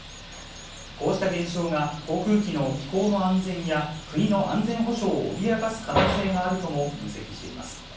こうした現象が航空機の飛行の安全や、国の安全保障を脅かす可能性があるとも分析しています。